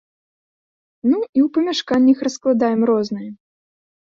Ну, і ў памяшканнях раскладаем рознае.